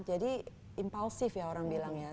jadi impulsif ya orang bilang ya